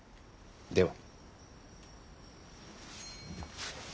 では。